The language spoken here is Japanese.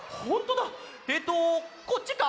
えっとこっちか？